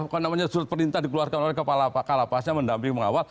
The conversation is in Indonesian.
maka namanya surat perintah dikeluarkan oleh kepala pakal la paznya mendamping pengawal